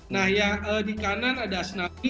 nah yang di kanan ada asnafi